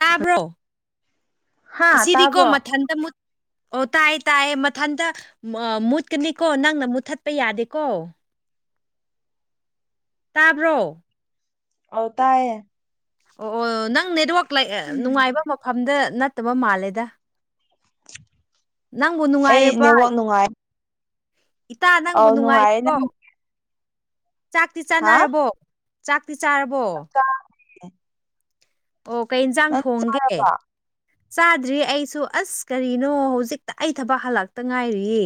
ꯇꯥꯕ꯭ꯔꯣ ꯍꯥꯥ ꯑꯁꯤꯗꯤꯀꯣ ꯇꯥꯕ꯭ꯔꯣ ꯃꯊꯟꯇ ꯃꯨꯠ ꯑꯣ ꯇꯥꯏ ꯇꯥꯏ ꯃꯊꯟꯇ ꯃꯥ ꯃꯨꯠꯀꯅꯤꯀꯣ ꯅꯪꯅ ꯃꯨꯠꯊꯠꯄ ꯌꯥꯗꯦꯀꯣ꯫ ꯇꯥꯕ꯭ꯔꯣ꯫ ꯑꯣ ꯇꯏꯌꯦ꯫ ꯑꯣ ꯑꯣ ꯅꯪ ꯅꯦꯠꯋꯥꯛ ꯂꯩ ꯅꯨꯡꯉꯥꯏꯕ ꯃꯐꯝꯗ ꯅꯠꯇꯕ ꯃꯥꯜꯂꯦꯗ꯫ ꯅꯪꯕꯨ ꯑꯩ ꯅꯨꯡꯉꯥꯏꯔꯕ ꯅꯦꯋꯥꯛ ꯅꯨꯡꯉꯥꯏ꯫ ꯏꯇꯥ ꯅꯪꯕꯨ ꯑꯧ ꯅꯨꯡꯉꯥꯏꯔꯦ ꯅꯨꯡꯉꯥꯏꯔꯤꯕꯣ꯫ ꯅꯪ ꯆꯥꯛꯇꯤ ꯍꯥ ꯆꯥꯅꯔꯕꯣ ꯆꯥꯛꯇꯤ ꯆꯥꯔꯕꯣ꯫ ꯆꯥ [unintelligible] ꯑꯣ ꯀꯩ ꯏꯟꯖꯥꯥꯡ ꯊꯣꯡꯒꯦ꯫ ꯆꯥꯔꯕꯣ ꯆꯥꯗ꯭ꯔꯤ ꯑꯩꯁꯨ ꯑꯁ ꯀꯔꯤꯅꯣ ꯍꯨꯖꯤꯛꯇ ꯑꯩ ꯊꯕꯛ ꯍꯜꯂꯛꯇ ꯉꯥꯏꯔꯤꯌꯦ꯫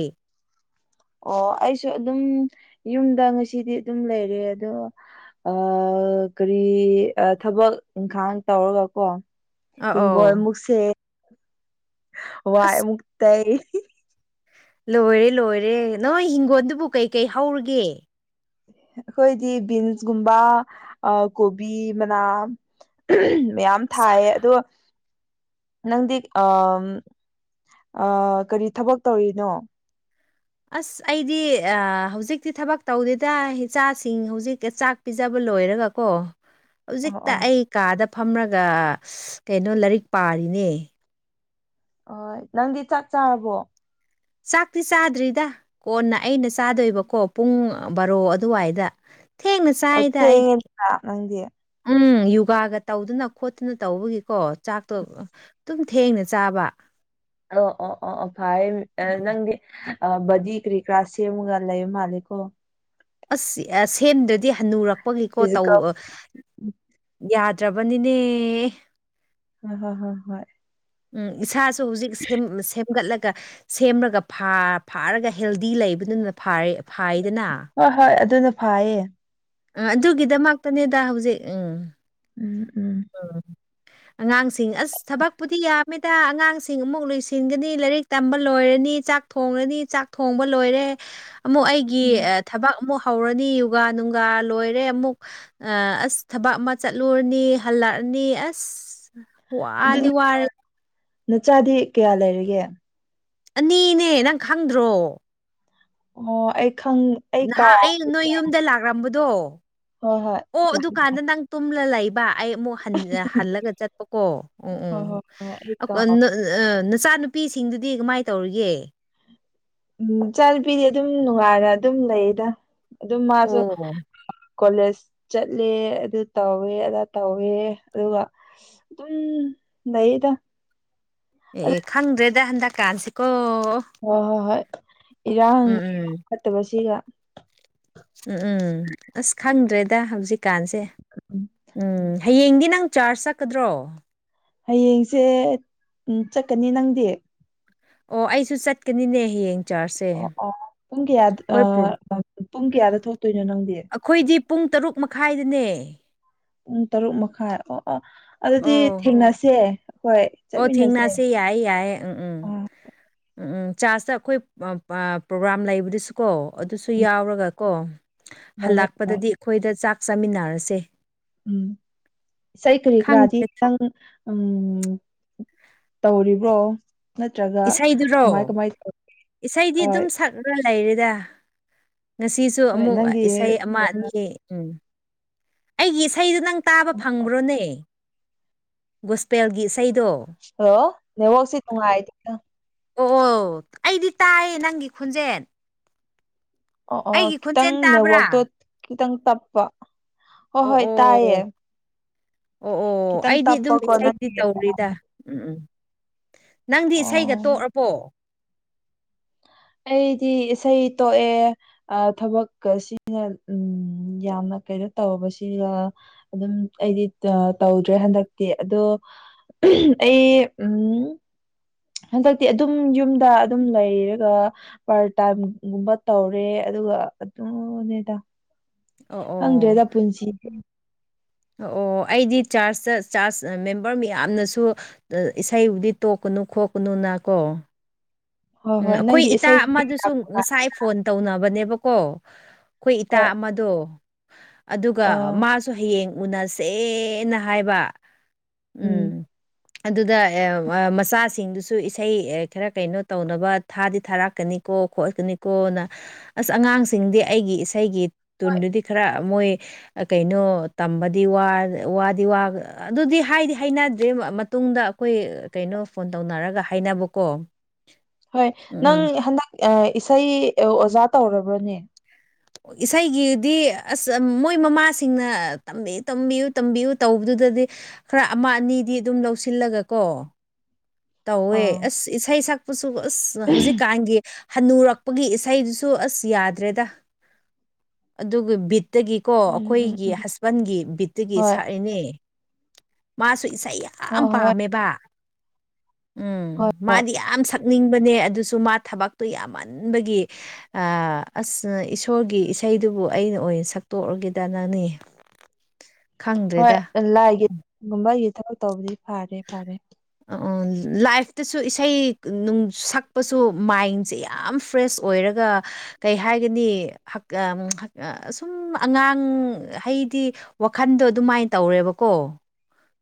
ꯑꯣ ꯑꯩꯁꯨ ꯑꯗꯨꯝ ꯌꯨꯝꯗ ꯉꯁꯤꯗꯤ ꯑꯗꯨꯝ ꯂꯩꯔꯦ ꯑꯗꯣ ꯑ ꯀꯔꯤ ꯑꯥ ꯊꯕꯛ ꯏꯪꯈꯥꯡ ꯇꯧꯔꯒ ꯀꯣ꯫ ꯑ ꯑꯧ ꯍꯤꯡꯒꯣꯟ ꯑꯃꯨꯛꯁꯦ ꯋꯥꯏ ꯑꯁ ꯑꯃꯨꯛꯇꯩ꯫ ꯂꯣꯏꯔꯦ ꯂꯣꯏꯔꯦ ꯅꯣꯏ ꯍꯤꯡꯒꯣꯟꯗꯨꯕꯨ ꯀꯩꯀꯩ ꯍꯧꯔꯒꯦ꯫ ꯑꯩꯈꯣꯏꯗꯤ ꯕꯤꯟꯁꯒꯨꯝꯕ ꯑ ꯀꯣꯕꯤ ꯃꯅꯥꯝ ꯃꯌꯥꯝ ꯊꯥꯏꯌꯦ ꯑꯗꯣ꯫ ꯅꯪꯗꯤ ꯑꯝ ꯑꯥ ꯀꯔꯤ ꯊꯕꯛ ꯇꯧꯔꯤꯅꯣ꯫ ꯑꯁ ꯑꯩꯗꯤ ꯑꯥ ꯍꯧꯖꯤꯛꯇꯤ ꯊꯕꯛ ꯇꯧꯗꯦꯗ ꯏꯆꯥꯁꯤꯡ ꯍꯨꯖꯤꯛ ꯆꯥꯛ__ ꯄꯤꯖꯕ ꯂꯣꯏꯔꯒꯀꯣ꯫ [inaudible] ꯍꯧꯖꯤꯛꯇ ꯑꯩ ꯀꯥꯗ ꯐꯝꯔꯒ ꯀꯩꯅꯣ ꯂꯥꯏꯔꯤꯛ ꯄꯥꯔꯤꯅꯦ꯫ ꯑꯣꯏ ꯅꯪꯗꯤ ꯆꯥꯛ ꯆꯥꯔꯕꯣ꯫ ꯆꯥꯛꯇꯤ ꯆꯥꯗ꯭ꯔꯤꯗ ꯀꯣꯟꯅ ꯑꯩꯅ ꯆꯥꯗꯣꯏꯕꯀꯣ ꯄꯨꯡ ꯕꯥꯔꯣ__ ꯑꯗꯨꯋꯥꯏꯗ꯫ ꯊꯦꯡꯅ ꯑꯣ ꯆꯥꯏꯗ ꯑꯩꯗꯤ ꯊꯦꯡꯉꯦꯗꯅ ꯅꯪꯗꯤ꯫ ꯎꯝ ꯌꯨꯒꯥꯒ ꯇꯧꯗꯅ ꯈꯣꯠꯇꯅ ꯇꯧꯕꯒꯤꯀꯣ ꯆꯥꯛꯇꯣ꯫ ꯇꯨꯝ ꯊꯦꯡꯅ ꯆꯥꯕ꯫ ꯑꯣ ꯑꯣ ꯑꯣ ꯑꯣ ꯐꯥꯏꯌꯦ ꯑ ꯅꯪꯗꯤ꯫ ꯑ ꯕꯗꯤ ꯀꯔꯤ ꯀꯔꯥ ꯁꯦꯝꯃꯒ ꯂꯩ ꯃꯥꯜꯂꯦꯀꯣ꯫ ꯑꯁ ꯑꯥ ꯁꯦꯝꯗ꯭ꯔꯗꯤ ꯍꯟꯅꯨꯔꯛꯄꯒꯤꯀꯣ ꯇꯧ ꯐꯤꯖꯤꯀꯦꯜ ꯑ__ ꯌꯥꯗ꯭ꯔꯕꯅꯤꯅꯦ꯫ ꯍꯣ ꯍꯣ ꯍꯣ ꯍꯣꯏ꯫ ꯎꯝ ꯏꯁꯥꯁꯨ ꯍꯨꯖꯤꯛ ꯁꯦꯝ ꯁꯦꯝꯒꯠꯂꯒ꯫ ꯁꯦꯝꯔꯒ ꯐꯥ ꯐꯥꯔꯒ ꯍꯦꯜꯗꯤ ꯂꯩꯕꯗꯨꯅ ꯐꯥꯥꯔꯦ ꯐꯥꯏꯗꯅ꯫ ꯍꯣꯏ ꯍꯣꯏ ꯑꯗꯨꯅ ꯐꯥꯏꯌꯦ꯫ ꯎꯝ ꯑꯗꯨꯒꯤꯗꯃꯛꯇꯅꯦꯗ ꯍꯧꯖꯤꯛ ꯎꯝ꯫ ꯎꯝ ꯎꯝ꯫ ꯑꯉꯥꯡꯁꯤꯡ ꯑꯁ ꯊꯕꯛꯄꯨꯗꯤ ꯌꯥꯝꯃꯦꯗ ꯑꯉꯥꯡꯁꯤꯡ ꯑꯃꯨꯛ ꯂꯣꯏꯁꯤꯟꯒꯅꯤ ꯂꯥꯏꯔꯤꯛ꯫ ꯇꯝꯕ ꯂꯣꯏꯔꯅꯤ ꯆꯥꯛ ꯊꯣꯡꯔꯅꯤ ꯆꯥꯛ ꯊꯣꯡꯕ ꯂꯣꯏꯔꯦ ꯑꯃꯨꯛ ꯑꯩꯒꯤ ꯎꯝ ꯑ__ ꯊꯕꯛ ꯑꯃꯨꯛ ꯍꯧꯔꯅꯤ ꯌꯨꯒꯥ ꯅꯨꯡꯒꯥ ꯂꯣꯏꯔꯦ ꯑꯃꯨꯛ꯫ ꯑ ꯑꯁ ꯊꯕꯛ ꯑꯃ ꯆꯠꯂꯨꯔꯅꯤ꯫ ꯍꯜꯂꯛꯑꯅꯤ ꯑꯁ ꯑꯗꯨ ꯋꯥꯗꯤ ꯋꯥꯔꯦ꯫ ꯅꯆꯥꯗꯤ ꯀꯌꯥ ꯂꯩꯔꯒꯦ꯫ ꯑꯅꯤꯅꯦ ꯅꯪ ꯈꯪꯗ꯭ꯔꯣ꯫ ꯑꯣ ꯑꯩ ꯈꯪꯉꯤ ꯅꯍꯥꯛ ꯑꯩ ꯅꯣꯏ ꯌꯨꯝꯗ ꯂꯥꯛꯂꯝꯕꯗꯣ ꯍꯣꯏ ꯍꯣꯏ ꯑꯣ ꯂꯥꯛꯑꯦ ꯑꯗꯨꯀꯥꯟꯗ ꯂꯥꯛꯑꯦ ꯅꯪ ꯇꯨꯝꯂ ꯂꯩꯕ ꯑꯩ ꯑꯃꯨꯛ ꯍꯟ ꯍꯜꯂꯒ ꯆꯠꯄꯀꯣ ꯎꯝ ꯍꯣꯏ ꯎꯝ ꯍꯣꯏ ꯍꯣꯏ ꯑꯩ ꯀꯥꯎ [unintelligible] [unintelligible] ꯅꯆꯥꯅꯨꯄꯤꯁꯤꯡꯗꯨꯗꯤ ꯀꯃꯥꯏꯅ ꯇꯧꯔꯤꯒꯦ꯫ ꯎꯝ ꯏꯆꯥ ꯅꯨꯄꯤꯗꯤ ꯑꯗꯨꯝ ꯅꯨꯡꯉꯥꯏꯅ ꯑꯗꯨꯝ ꯂꯩꯗ ꯑꯗꯨꯝ ꯃꯥꯁꯨ ꯑꯣ [unintelligible] ꯀꯣꯂꯦꯖ ꯆꯠꯂꯦ ꯑꯗꯨ ꯇꯧꯋꯦ ꯑꯗꯥ ꯇꯧꯋꯦ ꯑꯗꯨꯒ ꯗꯨꯝ ꯂꯩꯌꯦꯗ꯫ ꯑꯦ ꯑꯦ ꯈꯪꯗ꯭ꯔꯦꯗ ꯍꯟꯗꯛ ꯀꯥꯟꯁꯤꯀꯣ꯫ ꯍꯣꯏ ꯍꯣꯏ ꯍꯣꯏ ꯏꯔꯥꯡꯒ ꯏꯔꯥꯡ ꯎꯝ ꯐꯠꯇꯕꯁꯤꯒ꯫ ꯎꯝ ꯎꯝ ꯑꯁ ꯈꯪꯗ꯭ꯔꯦꯗ ꯍꯧꯖꯤꯛꯀꯥꯟꯁꯦ ꯎꯝ ꯎꯝ꯫ ꯍꯌꯦꯡꯗꯤ ꯅꯪ ꯆꯥꯔꯁ ꯆꯠꯀꯗ꯭ꯔꯣ꯫ ꯍꯌꯦꯡꯁꯦ ꯎꯝ ꯆꯠꯀꯅꯤ ꯅꯪꯗꯤ꯫ ꯑꯣ ꯑꯩꯁꯨ ꯆꯠꯀꯅꯤꯅꯦ ꯍꯌꯦꯡ꯫ ꯆꯥꯔꯖꯁꯦ ꯑꯣ ꯑꯣ ꯄꯨꯡ ꯀꯌꯥꯗ ꯑ ꯑꯩꯈꯣꯏ ꯄ꯭ꯔꯣ ꯑ ꯄꯨꯡ ꯀꯌꯥꯗ ꯊꯣꯛꯇꯣꯏꯅꯣ ꯅꯪꯗꯤ꯫ ꯈꯣꯏꯗꯤ ꯄꯨꯡ ꯇꯔꯨꯛ ꯃꯈꯥꯏꯗꯅꯦ꯫ ꯄꯨꯡ ꯇꯔꯨꯛ ꯃꯈꯥꯏ ꯑꯣ ꯑꯣ ꯑꯗꯨꯗꯤ ꯑꯣ ꯊꯦꯡꯅꯁꯦ ꯑꯩꯈꯣꯏ꯫ ꯑꯣ ꯆꯠꯃꯤꯟꯅꯁꯦ ꯊꯦꯡꯅꯁꯦ ꯌꯥꯏ ꯌꯥꯏ ꯎꯝ ꯎꯝ꯫ ꯑꯥ ꯎꯝ ꯎꯝ ꯆꯥꯔꯖꯇ ꯑꯩꯈꯣꯏ ꯑ ꯄ꯭ꯔꯣꯒ꯭ꯔꯥꯝ ꯂꯩꯕꯗꯨꯁꯨꯀꯣ ꯑꯗꯨꯁꯨ ꯎꯝ ꯌꯥꯎꯔꯒ ꯀꯣ꯫ ꯍꯣꯏ ꯍꯣꯏ ꯍꯣꯏ ꯍꯜꯂꯥꯛꯄꯗꯗꯤ ꯑꯩꯈꯣꯏꯗ ꯆꯥꯛ ꯆꯥꯃꯤꯟꯅꯔꯁꯦ꯫ ꯎꯝ ꯏꯁꯩ ꯀꯔꯤ ꯀꯔꯥꯗꯤ ꯈꯪꯗꯦ ꯈꯤꯇꯪ꯫ ꯎꯝ ꯇꯧꯔꯤꯕꯣ꯫ ꯅꯠꯇ꯭ꯔꯒ ꯏꯁꯩꯗꯨꯔꯣ ꯀꯃꯥꯏ ꯀꯃꯥꯏ ꯇꯧ [unintelligible] ꯍꯣꯏ [unintelligible] ꯂꯩꯔꯤꯗ ꯉꯁꯤꯁꯨ ꯍꯣꯏ ꯑꯃꯨꯛ ꯅꯪꯒꯤ ꯏꯁꯩ ꯑꯃꯑꯅꯤ ꯎꯝ ꯑꯩꯒꯤ ꯏꯁꯩꯗꯨ ꯅꯪ ꯇꯥꯕ ꯐꯪꯕ꯭ꯔꯣꯅꯦ ꯒꯨꯁꯄꯦꯜꯒꯤ ꯏꯁꯩꯗꯣ [unintelligible] ꯅꯦꯠꯋ꯭ꯥꯔꯛꯁꯤ ꯅꯨꯉꯥꯏꯇꯦꯗ ꯑꯣ ꯑꯣ ꯑꯩꯗꯤ ꯇꯥꯏ ꯅꯪꯒꯤ ꯈꯣꯟꯖꯦꯟ ꯑꯣ ꯑꯣ ꯈꯤꯇꯪ ꯈꯣꯟꯖꯦꯜ ꯇꯥꯕ꯭ꯔꯥ ꯅꯦꯠꯋꯥ꯭ꯔꯛꯇꯣ ꯈꯤꯇꯪ ꯇꯞꯄ ꯍꯣꯏ ꯑꯣ ꯍꯣꯏ ꯇꯥꯏꯌꯦ ꯑꯣ ꯑꯣ ꯑꯣ ꯈꯤꯇꯪ ꯑꯩꯗꯤ ꯑꯗꯨꯝ ꯇꯞꯄꯀꯣ ꯏꯁꯩꯗꯤ ꯅꯪꯒꯤ ꯇꯧꯔꯤꯗ ꯎꯝ ꯎꯝ ꯅꯪꯗꯤ ꯏꯁꯩꯒ ꯑꯣ ꯇꯣꯛꯑꯔꯄꯣ ꯑꯩꯗꯤ ꯏꯁꯩ ꯇꯣꯛꯑꯦ ꯑ ꯊꯕꯛꯀ [unintelligible] ꯌꯥꯝꯅ ꯀꯩꯅꯣ ꯇꯧꯕꯁꯤꯒ ꯑꯗꯨꯝ ꯑꯩꯗꯤ ꯑ ꯇꯧꯗ꯭ꯔꯦ ꯍꯟꯗꯛꯇꯤ ꯑꯗꯣ ꯎꯝꯝ ꯑꯩ ꯎꯝ [unintelligible] ꯍꯟꯗꯛꯇꯤ ꯑꯗꯨꯝ ꯌꯨꯝꯗ ꯑꯗꯨꯝ ꯂꯩꯔꯒ ꯄꯥꯔꯠ ꯇꯥꯏꯝꯒꯨꯝꯕ ꯇꯧꯔꯦ ꯑꯗꯨꯒ ꯑꯗꯨꯅꯦꯗ ꯑꯣ ꯈꯪꯗ꯭ꯔꯦꯗ ꯄꯨꯟꯁꯤ ꯑꯣ ꯑꯣ ꯑꯩꯗꯤ ꯆꯥꯔꯆꯇ ꯆꯥꯔꯆ ꯃꯦꯝꯕꯔ ꯃꯌꯥꯝꯅꯁꯨ [unintelligible] ꯏꯁꯩꯕꯨꯗꯤ ꯇꯣꯛꯀꯅꯨ ꯈꯣꯠꯀꯅꯨꯅ ꯀꯣ ꯍꯣꯏ ꯎꯝ ꯍꯣꯏ ꯑꯩꯈꯣꯏ ꯅꯪꯒꯤ ꯏꯇꯥ ꯏꯁꯩꯗꯤ ꯑꯃꯗꯨꯁꯨ ꯌꯥꯝ ꯉꯁꯥꯏ ꯐꯣꯟ ꯇꯧꯅꯕꯅꯦꯕꯀꯣ ꯑꯩꯈꯣꯏ ꯏꯇꯥ ꯍꯣꯏ ꯑꯃꯗꯣ ꯑꯗꯨꯒ ꯑ ꯃꯥꯁꯨ ꯨ ꯍꯌꯦꯡ ꯎꯅꯁꯦꯅ ꯍꯥꯏꯕ ꯎꯝ ꯑꯗꯨꯗ [unintelligible] ꯃꯆꯥꯁꯤꯡꯗꯨꯁꯨ ꯏꯁꯩ ꯈꯔ ꯀꯩꯅꯣ ꯇꯧꯅꯕ ꯊꯥꯗꯤ ꯊꯥꯔꯛꯀꯅꯤꯀꯣ ꯈꯣꯠꯀꯅꯤꯀꯣꯅ ꯑꯁ ꯑꯉꯥꯡꯁꯤꯡꯗꯤ ꯑꯩꯒꯤ ꯏꯁꯩꯒꯤ ꯍꯣꯏ ꯇꯨꯟꯗꯨꯗꯤ ꯈꯔ ꯃꯣꯏ ꯀꯩꯅꯣ ꯇꯝꯕꯗꯤ ꯋꯥꯗꯤ ꯋꯗꯤ ꯋꯒ ꯑꯗꯨꯗꯤ ꯍꯥꯏꯗꯤ ꯍꯥꯏꯅꯗ꯭ꯔꯦ ꯃꯇꯨꯡꯗ ꯑꯩꯈꯣꯏ ꯀꯩꯅꯣ ꯐꯣꯟ ꯇꯧꯅꯔꯒ ꯍꯥꯏꯅꯕꯀꯣ ꯍꯣꯏ ꯅꯪ ꯎꯝ ꯍꯟꯗꯛ ꯑ ꯏꯁꯩ ꯑꯣꯖꯥ ꯇꯧꯔꯕ꯭ꯔꯥꯅꯦ ꯏꯁꯩꯒꯤꯗꯤ ꯑꯁ ꯃꯣꯏ ꯃꯃꯥꯁꯤꯡꯅ ꯇꯝꯕꯤꯌꯨ ꯇꯝꯕꯤꯌꯨ ꯇꯝꯕꯤꯌꯨ ꯇꯧꯕꯗꯨꯗꯗꯤ ꯈꯔ ꯑꯃ ꯑꯅꯤꯗꯤ ꯑꯗꯨꯝ ꯂꯧꯁꯤꯜꯂꯒ ꯀꯣ ꯇꯧꯋꯦ ꯑꯥ ꯑꯁ ꯏꯁꯩ ꯁꯛꯄꯁꯨ ꯑꯁ ꯍꯧꯖꯤꯛꯀꯥꯟꯒꯤ ꯍꯅꯨꯔꯛꯄꯒꯤ ꯏꯁꯩꯗꯨꯁꯨ ꯑꯁ ꯌꯥꯗ꯭ꯔꯦꯗ ꯑꯗꯨꯒꯨ ꯕꯤꯠꯇꯒꯤ ꯀꯣ ꯎꯝ ꯎꯝ ꯑꯩꯈꯣꯏꯒꯤ ꯎꯝ ꯍꯁꯕꯦꯟꯒꯤ ꯕꯤꯠꯇꯒꯤ ꯍꯣꯏ ꯁꯥꯛꯑꯦꯅꯦ ꯃꯥꯁꯨ ꯏꯁꯩ ꯌꯥꯝ ꯌꯥꯝ ꯍꯣꯏ ꯍꯣꯏ ꯄꯥꯝꯃꯦꯕ ꯎꯝ ꯍꯣꯏ ꯃꯥꯗꯤ ꯌꯥꯝ ꯁꯛꯅꯤꯡꯕꯅꯦ ꯑꯗꯨꯁꯨ ꯃꯥ ꯊꯕꯛꯇꯨ ꯌꯥꯝꯃꯟꯕꯒꯤ ꯑꯥ ꯑꯁ ꯏꯁꯣꯔꯒꯤ ꯏꯁꯩꯗꯨꯕꯨ ꯑꯩꯅ ꯑꯣꯏꯅ ꯁꯛꯇꯣꯛꯑꯒꯦꯗ ꯅꯅꯦ ꯍꯣꯏ ꯂꯥꯏꯒꯤꯒꯨꯝꯕꯒꯤ ꯊꯕꯛ ꯇꯧꯕꯗꯤ ꯐꯔꯦ ꯐꯔꯦ ꯑꯥ ꯂꯥꯏꯐꯇꯁꯨ ꯏꯁꯩ ꯅꯨꯡ ꯁꯛꯄꯁꯨ ꯃꯥꯏꯟꯁꯦ ꯌꯥꯝ ꯐ꯭ꯔꯦꯁ ꯑꯣꯏꯔꯒ ꯀꯩ ꯍꯥꯏꯒꯅꯤ ꯍꯛ ꯑꯁꯨꯝ ꯑꯉꯥꯡ ꯍꯩꯗꯤ ꯋꯥꯈꯟꯗꯣ ꯑꯗꯨꯃꯥꯏ ꯇꯧꯔꯦꯕꯀꯣ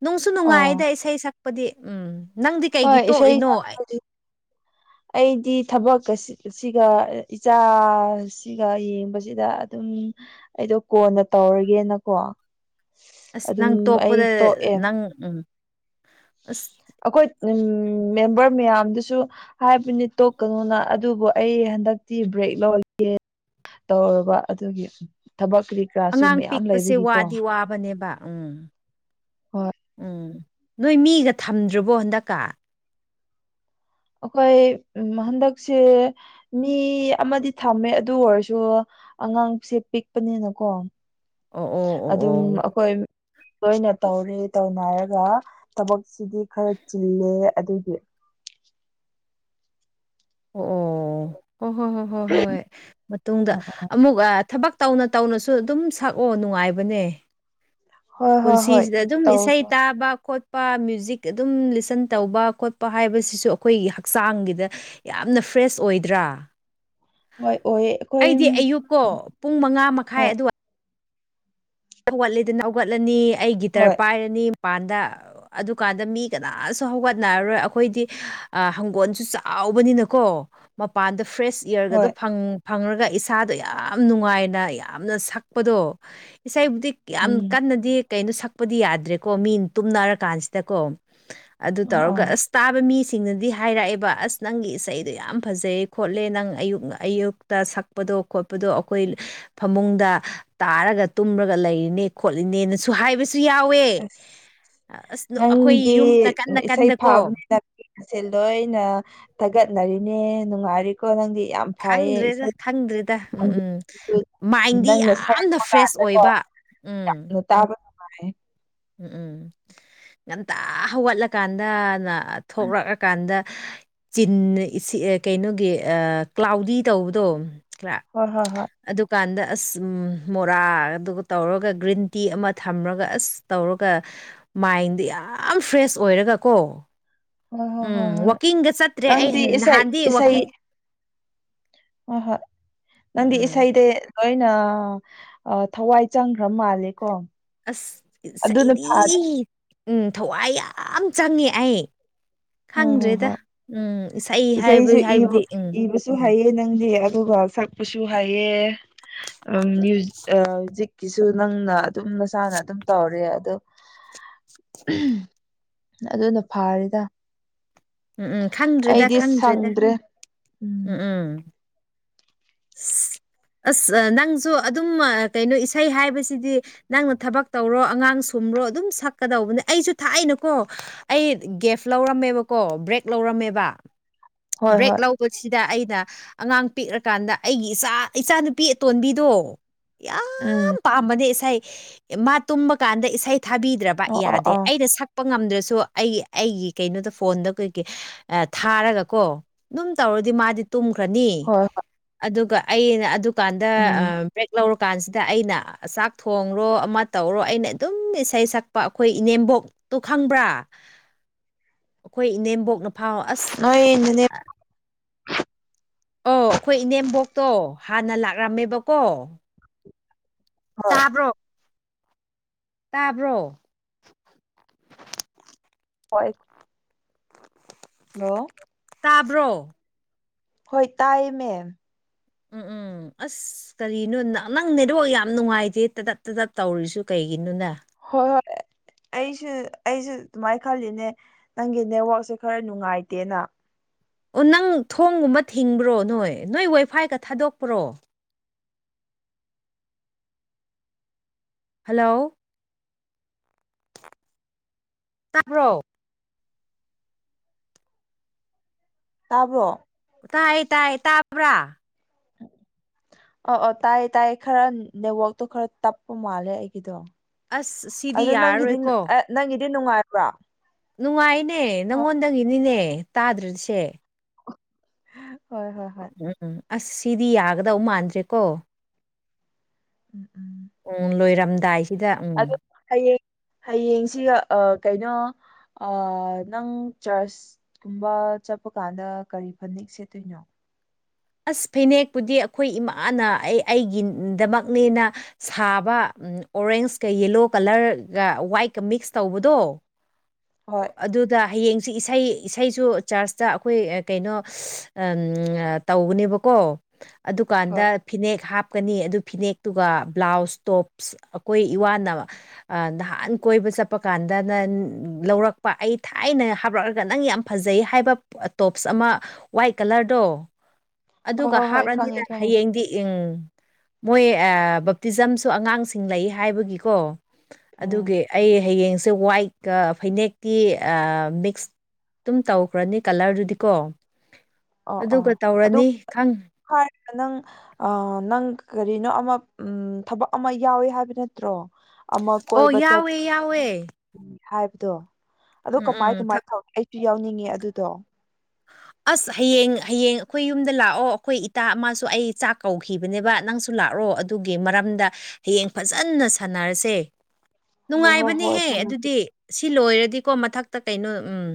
ꯅꯨꯡꯁꯨ ꯅꯨꯡꯉꯥꯏꯗ ꯑꯥ ꯏꯁꯩ ꯁꯛꯄꯗꯤ ꯎꯝ ꯅꯪꯗꯤ ꯍꯣꯏ ꯀꯩꯒꯤ ꯏꯁꯩ ꯇꯣꯛꯏꯅꯣ ꯑꯩ ꯁꯛꯄꯗꯤ ꯑꯩꯗꯤ ꯊꯕꯛ ꯀꯁꯤ ꯁꯤꯒ ꯏꯆꯥ ꯁꯤꯒ ꯌꯦꯡꯕꯁꯤꯗ ꯑꯗꯨꯝ ꯑꯩꯗꯣ ꯀꯣꯟꯅ ꯇꯧꯔꯒꯦꯅꯀꯣ ꯑꯁ ꯑꯗꯨꯝ ꯅꯪ ꯑꯩ ꯇꯣꯛꯄꯗ ꯇꯣꯛꯑꯦ ꯅꯪ ꯎꯝ ꯑꯁ ꯑꯩꯈꯣꯏ ꯎꯝ ꯃꯦꯝꯕꯔ ꯃꯌꯥꯝꯗꯨꯁꯨ ꯍꯥꯏꯕꯅꯤ ꯇꯣꯛꯀꯅꯨꯅ ꯑꯗꯨꯕꯨ ꯑꯩ ꯍꯟꯗꯛꯇꯤ ꯕ꯭ꯔꯦꯛ ꯂꯧꯒꯦ ꯇꯧꯔꯕ ꯑꯗꯨꯒꯤ ꯊꯕꯛ ꯀ꯭ꯔꯤ ꯑꯉꯥꯡ ꯄꯤꯛꯄꯁꯦ ꯋꯥꯗꯤ ꯋꯥꯕꯅꯦꯕ ꯎꯝ ꯍꯣꯏ ꯎꯝ ꯅꯣꯏ ꯃꯤꯒ ꯊꯝꯗ꯭ꯔꯕꯣ ꯍꯟꯗꯛꯀ ꯑꯩꯈꯣꯏ ꯎꯝ ꯍꯟꯗꯛꯁꯦ ꯃꯤ ꯑꯃꯗꯤ ꯊꯝꯃꯦ ꯑꯗꯨ ꯑꯣꯏꯔꯁꯨ ꯑꯉꯥꯡꯁꯦ ꯄꯤꯛꯄꯅꯤꯅꯀꯣ ꯑꯣ ꯑꯣ ꯑꯣ ꯑꯗꯨꯝ ꯑꯣ ꯑꯩꯈꯣꯏ ꯂꯣꯏꯅ ꯇꯧꯔꯦ ꯇꯧꯅꯔꯒ ꯊꯕꯛꯁꯤꯗꯤ ꯈꯔ ꯆꯤꯜꯂꯦ ꯑꯗꯨꯗꯤ ꯑꯣ ꯍꯣ ꯍꯣ ꯍꯣ ꯍꯣ ꯍꯣꯏ ꯃꯇꯨꯡꯗ ꯎꯝ ꯑꯃꯨꯛ ꯊꯕꯛ ꯇꯧꯅ ꯇꯧꯅꯁꯨ ꯑꯗꯨꯝ ꯁꯛꯑꯣ ꯅꯨꯡꯉꯥꯏꯕꯅꯦ ꯍꯣꯏ ꯍꯣꯏ ꯍꯣꯏ ꯄꯨꯟꯁꯤꯁꯤꯗ ꯑꯗꯨꯝ ꯇꯧꯒꯦ ꯏꯁꯩ ꯇꯥꯕ ꯈꯣꯠ ꯄ ꯃ꯭ꯌꯨꯏꯖꯤꯛ ꯑꯗꯨꯝ ꯂꯤꯁꯟ ꯇꯧꯕ ꯈꯣꯠꯄ ꯍꯥꯏꯕꯁꯤꯁꯨ ꯑꯩꯈꯣꯏꯒꯤ ꯍꯛꯆꯥꯡꯒꯤꯗ ꯌꯥꯝꯅ ꯐ꯭ꯔꯦꯁ ꯑꯣꯏꯗ꯭ꯔꯥ ꯍꯣꯏ ꯑꯣꯏꯌꯦ ꯑꯩꯈꯣꯏ ꯑꯩꯗꯤ ꯑꯌꯨꯛꯀꯣ ꯄꯨꯡ ꯃꯉꯥ ꯃꯈꯥꯏ ꯍꯣꯏ ꯑꯗꯨꯋꯥꯏ ꯍꯧꯒꯠꯂꯤꯗꯅ ꯍꯧꯒꯠꯂꯅꯤ ꯑꯩ ꯒꯤꯇꯔ ꯍꯣꯏ ꯄꯥꯏꯔꯅꯤ ꯃꯄꯥꯟꯗ ꯑꯗꯨꯀꯥꯟꯗ ꯃꯤ ꯀꯅꯥꯁꯨ ꯍꯧꯒꯠꯅꯔꯔꯣꯏ ꯑꯩꯈꯣꯏꯗꯤ ꯍꯪꯒꯣꯜꯁꯨ ꯆꯥꯎꯕꯅꯤꯅꯀꯣ ꯃꯄꯥꯟꯗ ꯐ꯭ꯔꯦꯁ ꯏꯌꯔꯒꯗꯣ ꯍꯣꯏ ꯐꯪ ꯐꯪꯉꯒ ꯏꯁꯥꯗꯣ ꯌꯥꯝ ꯅꯨꯡꯉꯥꯏꯅ ꯌꯥꯝꯅ ꯁꯛꯄꯗꯣ ꯏꯁꯩꯕꯨꯗꯤ ꯌꯥꯝ ꯎꯝ ꯀꯟꯅꯗꯤ ꯀꯩꯅꯣ ꯁꯛꯄꯗꯤ ꯌꯥꯗ꯭ꯔꯦꯀꯣ ꯃꯤ ꯇꯨꯝꯅꯔꯀꯥꯟꯁꯤꯗꯀꯣ ꯑꯗꯨ ꯑꯥ ꯇꯧꯔꯒ ꯑꯥ ꯑꯁ ꯇꯥꯕ ꯃꯤꯁꯤꯡꯅꯗꯤ ꯍꯥꯏꯔꯛꯑꯦꯕ ꯑꯁ ꯅꯪꯒꯤ ꯏꯁꯩꯗꯣ ꯌꯥꯝ ꯐꯖꯩ ꯈꯣꯠꯂꯦ ꯅꯪ ꯑꯌꯨꯛ ꯑꯌꯨꯛ ꯇ ꯁꯥꯛꯄꯗꯣ ꯈꯣꯠꯄꯗꯣ ꯑꯩꯈꯣꯏ ꯐꯃꯨꯡꯗ ꯇꯥꯔꯒ ꯇꯨꯝꯔꯒ ꯂꯩꯔꯤꯅꯦ ꯈꯣꯠꯂꯤꯅꯦꯅꯁꯨ ꯍꯥꯏꯕꯁꯤ ꯁꯨ ꯌꯥꯎꯋꯦ ꯑꯁ ꯑꯁ ꯑꯩꯈꯣꯏ ꯅꯪꯗꯤ ꯌꯨꯝꯗ ꯀꯟꯅ ꯀꯟꯗꯀꯣ ꯑꯁꯦ ꯂꯣꯏꯅ ꯊꯥꯒꯠꯅꯔꯤꯅꯦ ꯅꯨꯡꯉꯥꯏꯔꯤꯀꯣ ꯅꯪꯗꯤ ꯌꯥꯝ ꯐꯩꯌꯦ ꯈꯪꯗ꯭ꯔꯦꯗ ꯏꯁꯩ ꯈꯪꯗ꯭ꯔꯦꯗ ꯎꯝ ꯎꯝ ꯈꯣꯟꯖꯦꯜꯗꯨ ꯃꯥꯏꯟꯗꯤ ꯅꯪꯅ ꯌꯥꯝꯅ ꯁꯛꯔꯛꯄ ꯐ꯭ꯔꯦꯁ ꯑꯣꯏꯕ ꯎꯝ ꯇꯥꯕꯔ ꯎꯝ ꯎꯝ ꯉꯟꯇꯥ ꯍꯧꯒꯠꯂ ꯀꯥꯟꯗꯅ ꯊꯣꯛꯔꯥꯛꯑ ꯀꯥꯟꯗ ꯆꯤꯟꯅ ꯏꯁꯤ ꯑ ꯀꯩꯅꯣꯒꯤ ꯑ ꯀ꯭ꯂꯥꯎꯗꯤ ꯇꯧꯕꯗꯣ ꯈꯔ ꯍꯣꯏ ꯍꯣꯏ ꯍꯣꯏ ꯑꯗꯨꯀꯥꯟꯗ ꯑꯁ ꯃꯣꯔꯥꯗꯨ ꯇꯧꯔꯒ ꯒ꯭ꯔꯤꯟ ꯇꯤ ꯑꯃ ꯊꯝꯔꯒ ꯑꯁ ꯇꯧꯔꯒ ꯃꯥꯏꯟꯗꯣ ꯌꯥꯝ ꯐ꯭ꯔꯦꯁ ꯑꯣꯏꯔꯒꯀꯣ ꯍꯣꯏ ꯍꯣꯏ ꯎꯝ ꯍꯣꯏ ꯍꯣꯏ ꯋꯥꯛꯀꯤꯡꯒ ꯆꯠꯇ꯭ꯔꯦ ꯑꯩ ꯅꯪꯗꯤ ꯏꯁꯩ ꯅꯍꯥꯟꯗꯤ ꯋꯥꯛꯀꯤꯡ ꯍꯣ ꯍꯣꯏ ꯅꯪꯗꯤ ꯎꯝ ꯏꯁꯩꯗꯦ ꯂꯣꯏꯅ ꯑ ꯊꯋꯥꯏ ꯆꯪꯈ꯭ꯔꯥ ꯃꯥꯜꯂꯦꯀꯣ ꯑꯁ ꯑꯗꯨꯅ ꯐꯔꯦ ꯑꯤꯁꯩꯗꯤ ꯎꯝ ꯊꯋꯥꯏ ꯌꯥꯝ ꯆꯪꯉꯦ ꯑꯩ꯫ ꯍꯣꯏ ꯍꯣꯏ ꯈꯪꯗ꯭ꯔꯦꯗ ꯍꯣꯏ ꯎꯝ ꯏꯁꯩ ꯍꯥꯏꯕ ꯍꯥꯏꯕꯗꯤ ꯎꯝ ꯗꯨ ꯍꯩꯌꯦ ꯅꯪꯗꯤ ꯑꯗꯨꯒ ꯁꯥꯛꯄꯁꯨ ꯍꯩꯌꯦ꯫ ꯑ ꯃꯌꯨ ꯑ ꯖꯤꯛꯀꯤꯁꯨ ꯅꯪꯅ ꯑꯗꯨꯝ ꯅꯁꯥꯅ ꯑꯗꯨꯝ ꯇꯧꯔꯦ ꯑꯗꯣ ꯑꯗꯨꯅ ꯐꯥꯔꯦꯗ ꯎꯝ ꯎꯝ ꯈꯪꯗ꯭꯭ꯔꯦꯗ ꯑꯩꯗꯤ ꯈꯪꯗ꯭ꯔꯦꯗ ꯁꯪꯗ꯭ꯔꯦ ꯎꯝ ꯎꯝ ꯑꯁ [inaudible] ꯑꯁ ꯅꯪꯁꯨ ꯑꯗꯨꯝ ꯀꯩꯅꯣ ꯏꯁꯩ ꯍꯥꯏꯕꯁꯤꯗꯤ ꯅꯪꯅ ꯊꯕꯛ ꯇꯧꯔꯣ ꯑꯉꯥꯡ ꯁꯨꯝꯔꯣ ꯑꯗꯨꯝ ꯁꯛꯀꯗꯧꯕꯅꯦ ꯑꯩꯁꯨ ꯊꯥꯏꯅꯀꯣ ꯑꯩ ꯒꯦꯐ ꯂꯧꯔꯝꯃꯦꯕꯀꯣ ꯕ꯭ꯔꯦꯛ ꯂꯧꯔꯝꯃꯦꯕ ꯍꯣꯏ ꯕ꯭ꯔꯦꯛ ꯍꯣꯏ ꯂꯧꯕꯁꯤꯗ ꯑꯩꯅ ꯑꯉꯥꯡ ꯄꯤꯛꯔ ꯀꯥꯟꯗ ꯑꯩꯒꯤ ꯏꯆꯥ ꯏꯆꯥꯅꯨꯄꯤ ꯑꯇꯣꯟꯕꯤꯗꯣ ꯌꯥꯝ ꯎꯝ ꯄꯥꯝꯕꯅꯦ ꯏꯁꯩ ꯃꯥ ꯇꯨꯝꯕ ꯀꯥꯟꯗ ꯏꯁꯩ ꯊꯥꯕꯤꯗ꯭ꯔꯕ ꯑꯣ ꯑꯣ ꯌꯥꯗꯦ ꯑꯣ ꯑꯩꯅ ꯁꯛ ꯄ ꯉꯝꯗ꯭ꯔꯁꯨ ꯑꯩ ꯑꯩꯒꯤ ꯀꯩꯅꯣꯗꯣ ꯐꯣꯟꯗ ꯀꯩꯀꯩ ꯑ ꯊꯥꯔꯒ ꯀꯣ ꯑꯗꯨꯝ ꯇꯧꯔꯗꯤ ꯃꯥꯗꯤ ꯇꯨꯝꯈ꯭ꯔꯅꯤ꯫ ꯍꯣꯏ ꯍꯣꯏ ꯑꯗꯨꯒ ꯑꯩꯅ ꯑꯗꯨꯀꯥꯟꯗ ꯑ ꯎꯝ ꯕ꯭ꯔꯦꯛ ꯂꯧꯔ ꯀꯥꯟꯁꯤꯗ ꯑꯩꯅ ꯆꯥꯛ ꯊꯣꯡꯔꯣ ꯑꯃ ꯇꯧꯔꯣ ꯑꯩꯅ ꯑꯗꯨꯝ ꯏꯁꯩ ꯁꯥꯛꯄ ꯑꯩꯈꯣꯏ ꯏꯅꯦꯝꯕꯣꯛ ꯇꯣ ꯈꯪꯕ꯭ꯔꯥ ꯑꯩꯈꯣꯏ ꯏꯅꯦꯝꯕꯣꯛꯅ ꯐꯥꯎ ꯑꯁ ꯅꯣꯏ ꯅꯅꯦꯝ ꯑꯣ ꯑꯩꯈꯣꯏ ꯏꯅꯦꯝꯕꯣꯛꯇꯣ ꯍꯥꯟꯅ ꯂꯥꯛꯔꯝꯃꯦꯕꯀꯣ ꯍꯣꯏ ꯇꯥꯕ꯭ꯔꯣ ꯇꯥꯕ꯭ꯔꯣ ꯍꯣꯏ ꯍꯜꯂꯣ ꯇꯥꯕ꯭ꯔꯣ ꯍꯣꯏ ꯇꯥꯏꯌꯦ ꯃꯦꯝ ꯎꯝ ꯎꯝ ꯑꯁ ꯀꯔꯤꯅꯣ ꯅ-ꯅꯪ ꯅꯦꯠꯋ꯭ꯔꯥꯛ ꯌꯥꯝ ꯅꯨꯡꯉꯥꯏꯇꯦ ꯇꯗꯠ ꯇꯗꯠ ꯇꯧꯔꯤꯁꯤꯕꯨ ꯀꯩꯒꯤꯅꯣꯅꯦ꯫ ꯍꯣꯏ ꯑꯩꯁꯨ ꯑꯩꯁꯨ ꯑꯗꯨꯃꯥꯏꯅ ꯈꯜꯂꯤꯅꯦ ꯅꯪꯒꯤ ꯅꯦꯠꯋꯥꯛꯁꯦ ꯈꯔ ꯅꯨꯡꯉꯥꯏꯇꯦꯅ ꯑꯣ ꯅꯪ ꯊꯣꯡꯒꯨꯝꯕ ꯊꯤꯡꯕ꯭ꯔꯣ ꯅꯣꯏ ꯅꯣꯏ ꯋꯥꯏꯐꯥꯏꯒ ꯊꯥꯗꯣꯛꯄ꯭ꯔꯣ ꯍꯜꯂꯣ ꯇꯥꯕ꯭ꯔꯣ ꯇꯥꯕ꯭ꯔꯣ ꯇꯥꯏ ꯇꯥꯏ ꯇꯥꯕ꯭ꯔꯥ ꯑ ꯑ ꯇꯥꯏꯌꯦ ꯇꯥꯏꯌꯦ ꯈꯔ ꯅꯦꯠꯋꯥꯛꯇꯣ ꯈꯔ ꯇꯞꯄ ꯃꯥꯜꯂꯦ ꯑꯩꯒꯤꯗꯣ ꯑꯁ ꯁꯤꯗꯤ ꯑꯗꯨ ꯅꯪꯒꯤꯗꯤ ꯌꯥꯔꯔꯣꯏꯀꯣ ꯅꯪꯒꯤꯗꯤ ꯅꯨꯡꯉꯥꯏꯕ꯭ꯔꯥ ꯅꯨꯡꯉꯥꯏꯅꯦ ꯍꯣꯏ ꯅꯪꯉꯣꯟꯗꯒꯤꯅꯤꯅꯦ ꯇꯥꯗ꯭ꯔꯤꯁꯦ ꯍꯣꯏ ꯍꯣꯏ ꯍꯣꯏ ꯑꯁ ꯁꯤꯗꯤ ꯌꯥꯒꯗꯧ ꯃꯥꯟꯗ꯭ꯔꯦ ꯀꯣ [inaudible] ꯂꯣꯏꯔꯝꯗꯥꯏ ꯑꯗꯨ ꯍꯌꯦꯡ ꯍꯌꯦꯡꯁꯤ ꯑ ꯀꯩꯅꯣ ꯑꯥ ꯅꯪ ꯆꯔꯆ ꯆꯠꯄ ꯀꯥꯟꯗ ꯀꯔꯤ ꯐꯅꯦꯛ ꯁꯦꯠꯇꯣꯏꯅꯣ ꯑꯁ ꯐꯅꯦꯛꯄꯨꯗꯤ ꯑꯩꯈꯣꯏ ꯏꯃꯥꯅ ꯑꯩ ꯑꯩꯒꯤꯗꯃꯛꯅꯦꯅ ꯁꯥꯕ ꯑꯣꯔꯦꯟꯁꯀ ꯌꯦꯂꯣ ꯀꯂꯔꯒ ꯋꯥꯏꯠꯀ ꯃꯤꯛꯁ ꯇꯧꯕꯗꯣ ꯍꯣꯏ ꯑꯗꯨꯗ ꯍꯌꯦꯡꯁꯤ ꯏꯁꯩ ꯏꯁꯩꯁꯨ ꯆꯔꯁꯇ ꯑꯩꯈꯣꯏ ꯀꯩꯅꯣ ꯇꯧꯕꯅꯦꯕꯀꯣ ꯑꯗꯨꯀꯥꯟꯗ ꯍꯣꯏ ꯐꯤꯅꯦꯛ ꯍꯥꯞꯀꯅꯤ ꯑꯗꯨ ꯐꯤꯅꯦꯛꯇꯨꯒ ꯕ꯭ꯂꯥꯎꯁ ꯇꯣꯞꯁ ꯑꯩꯈꯣꯏ ꯏꯋꯥꯅ ꯑꯥ ꯅꯍꯥꯟ ꯀꯣꯏꯕ ꯆꯠꯄ ꯀꯥꯟꯗ ꯅ ꯂꯧꯔꯛꯄ ꯑꯩ ꯊꯥꯏꯅ ꯍꯥꯞꯂꯛꯑꯒ ꯅꯪ ꯌꯥꯝ ꯐꯖꯩ ꯍꯥꯏꯕ ꯇꯣꯞꯁ ꯑꯃ ꯋꯥꯏꯠ ꯀꯂꯔꯗꯣ ꯍꯣꯏ ꯑꯗꯨꯒ ꯍꯣꯏ ꯍꯣꯏ ꯈꯪꯉꯦ ꯍꯥꯞꯂꯅꯤꯗ ꯈꯪꯉꯦ ꯍꯌꯦꯡꯗꯤ ꯃꯣꯏ ꯕꯞꯇꯤꯖꯝꯁꯨ ꯑꯉꯥꯡꯁꯤꯡ ꯂꯩ ꯍꯥꯏꯕꯒꯤꯀꯣ ꯎꯝ ꯑꯗꯨꯒꯤ ꯑꯩ ꯍꯌꯦꯡꯁꯦ ꯋꯥꯏꯠꯀ ꯐꯅꯦꯛꯇꯤ ꯃꯤꯛꯁ ꯑꯗꯨꯝ ꯇꯧꯈ꯭ꯔꯅꯤ ꯀꯂꯔꯗꯨꯗꯤꯀꯣ ꯑꯣ ꯑꯣ ꯑꯗꯨꯒ ꯑꯗꯨ ꯇꯧꯔꯅꯤ ꯈꯪ [inaudible] ꯅꯪ ꯑ ꯅꯪ ꯀꯔꯤꯅꯣ ꯑꯃ ꯎꯝ ꯊꯕꯛ ꯑꯃ ꯌꯥꯎꯋꯦ ꯍꯥꯏꯕ ꯅꯠꯇ꯭ꯔꯣ ꯑꯃ ꯑꯣ ꯀꯣꯏꯕ ꯆꯠ ꯌꯥꯎꯋꯦ ꯌꯥꯎꯋꯦ ꯍꯥꯏꯕꯗꯣ ꯑꯗꯨ ꯎꯝ ꯎꯝ ꯀꯃꯥꯏ ꯀꯃꯥꯏ ꯊꯛ ꯇꯧ ꯑꯩꯁꯨ ꯌꯥꯎꯅꯤꯡꯉꯤ ꯑꯗꯨꯗꯣ ꯑꯁ ꯍꯌꯦꯡ ꯍꯌꯦꯡ ꯑꯩꯈꯣꯏ ꯌꯨꯝꯗ ꯂꯥꯛꯑꯣ ꯑꯩꯈꯣꯏ ꯏꯇꯥ ꯑꯃꯁꯁꯨ ꯑꯩ ꯆꯥꯛ ꯀꯧꯈꯤꯕꯅꯦꯕ ꯅꯪꯁꯨ ꯂꯥꯛꯑꯣ ꯑꯗꯨꯒꯤ ꯃꯔꯝꯗ ꯍꯌꯦꯡ ꯐꯖꯅ ꯁꯥꯟꯅꯔꯁꯦ ꯍꯣꯏ ꯍꯣꯏ ꯍꯣꯏ ꯅꯨꯡꯉꯥꯏꯕꯅꯦꯍꯦ ꯊꯝꯃꯦ ꯑꯗꯨꯗꯤ ꯁꯤ ꯂꯣꯏꯔꯗꯤꯀꯣ ꯃꯊꯛꯇ ꯀꯩꯅꯣ ꯎꯝ